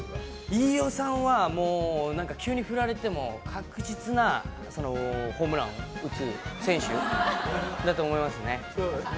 飯尾さんは、急に振られても確実なホームランを打つ選手だと思いますね。